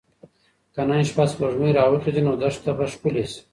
که نن شپه سپوږمۍ راوخیژي نو دښته به ښکلې شي.